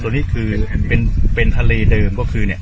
สวัสดีครับคุณผู้ชาย